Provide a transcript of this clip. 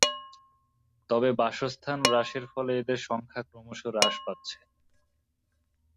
তবে বাসস্থান হ্রাসের ফলে এদের সংখ্যা ক্রমশ হ্রাস পাচ্ছে।